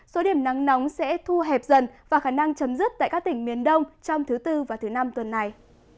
số điểm nắng nóng sẽ thu hẹp dần và khả năng chấm dứt tại các tỉnh miền đông trong thứ bốn và thứ năm tuần này